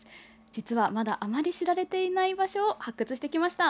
実はあまり知られていない場所を発掘してきました！